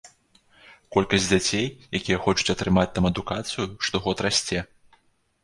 Колькасць дзяцей, якія хочуць атрымаць там адукацыю, штогод расце.